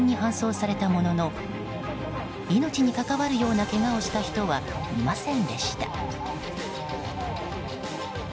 ２人が打撲などで病院に搬送されたものの命に関わるようなけがをした人はいませんでした。